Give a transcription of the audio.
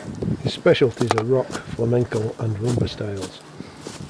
His specialties are rock, flamenco, and rumba styles.